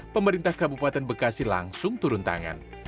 pemerintah kabupaten bekasi langsung turun tangan